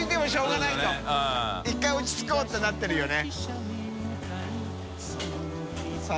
渦落ちつこうってなってるよね。